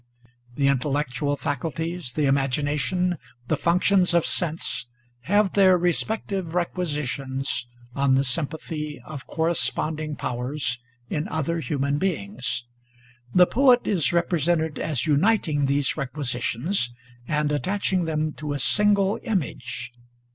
The intellectual faculties, the imagination, the functions of sense have their respective re quisitions on the sympathy of corresponding' powers in other human beings. The Poet is represented as uniting these requisitions and attaching them to a single image.